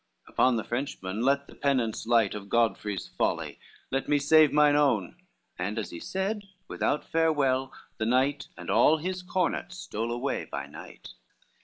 Upon the Frenchmen let the penance light Of Godfrey's folly, let me save mine own," And as he said, without farewell, the knight And all his comet stole away by night.